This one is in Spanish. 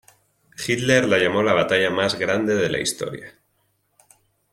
Hitler la llamó la batalla más grande de la historia.